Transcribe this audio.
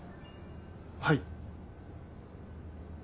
はい。